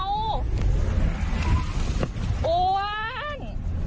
อ้วน